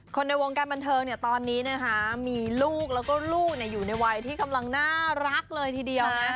ในวงการบันเทิงเนี่ยตอนนี้นะคะมีลูกแล้วก็ลูกอยู่ในวัยที่กำลังน่ารักเลยทีเดียวนะ